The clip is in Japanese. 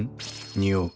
匂う。